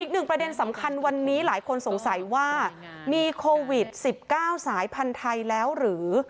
อีกหนึ่งประเด็นสำคัญวันนี้หลายคนสงสัยว่ามีโควิด๑๙สายพันธุ์ไทยแล้วหรือ